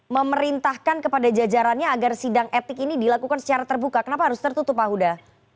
memerintahkan kepada jajarannya agar sidang etik ini dilakukan secara terbuka kenapa harus tertutup pak huda